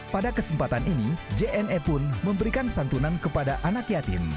pada kesempatan ini jne pun memberikan santunan kepada anak yatim